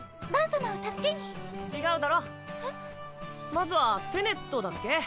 まずはセネットだっけ？